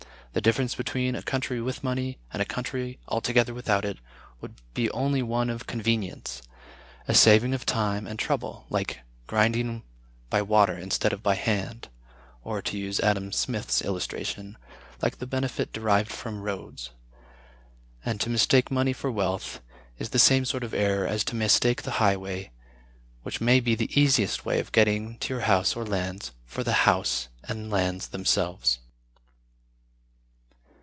The difference between a country with money, and a country altogether without it, would be only one of convenience; a saving of time and trouble, like grinding by water instead of by hand, or (to use Adam Smith's illustration) like the benefit derived from roads; and to mistake money for wealth is the same sort of error as to mistake the highway, which may be the easiest way of getting to your house or lands, for the house and lands themselves.